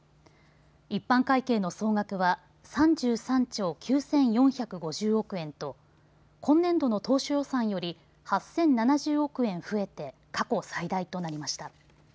一般会計の総額は３３兆９４５０億円と今年度の当初予算より８０７０億円増えて過去最大となりました。